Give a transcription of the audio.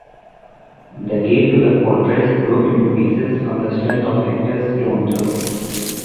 The gate to the fortress broke into pieces from the strength of Hector’s stone throw.